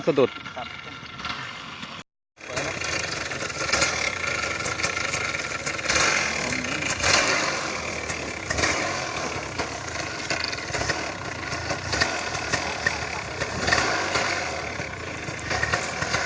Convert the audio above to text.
ที่สุดท้ายและที่สุดท้ายและที่สุดท้าย